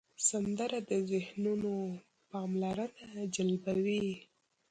سندره د ذهنونو پاملرنه جلبوي